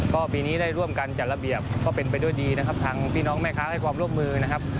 ก็ปีนี้ได้ร่วมกันจัดระเบียบก็เป็นไปด้วยดีนะครับทางพี่น้องแม่ค้าให้ความร่วมมือนะครับ